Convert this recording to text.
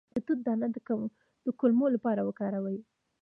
د توت دانه د کولمو لپاره وکاروئ